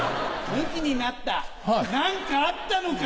むきになった何かあったのか？